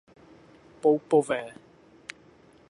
Poupové.